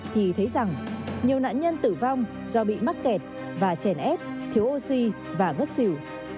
thì thấy rằng nhiều nạn nhân tử vong do bị mắc kẹt và chèn ép thiếu oxy và ngất xỉu